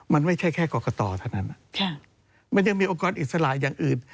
มันไม่ใช่แค่กรกตเท่านั้นมันยังมีองค์กรอิสระอย่างอื่น